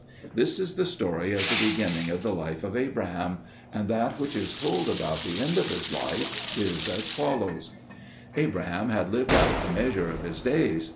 This is the story of the beginning of the life of Abraham; and that which is told about the end of his life is as follows: Abraham had lived out the measure of his days.